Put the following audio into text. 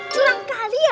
curang kali ya